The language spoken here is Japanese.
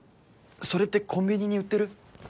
それってコンビニに売ってる？